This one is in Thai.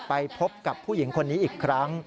ไปพบกับผู้หญิงคนนี้อีกครั้ง